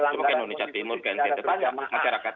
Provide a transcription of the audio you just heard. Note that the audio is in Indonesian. coba ke indonesia timur ke ngt ke masyarakat